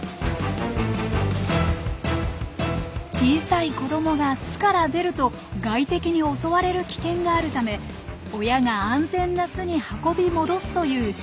小さい子どもが巣から出ると外敵に襲われる危険があるため親が安全な巣に運び戻すという習性なんです。